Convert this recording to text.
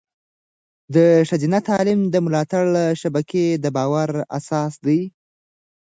د ښځینه تعلیم د ملاتړ شبکې د باور اساس دی.